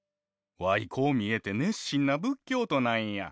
ワイこう見えて熱心な仏教徒なんや。